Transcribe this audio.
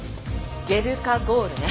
ゲルカゴールね。